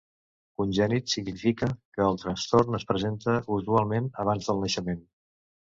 Congènit significa que el trastorn es presenta usualment abans del naixement.